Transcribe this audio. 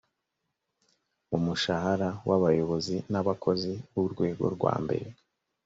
umushahara w abayobozi n abakozi b urwego rwambere